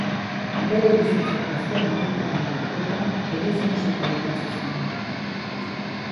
Bere bizitzako azken hogeita hamar urteetan eliz musika idatzi zuen.